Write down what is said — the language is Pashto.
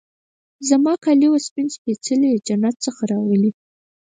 زما کالي وه سپین سپيڅلي د جنت څخه راغلي